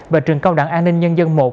và trường cao đẳng an ninh nhân dân một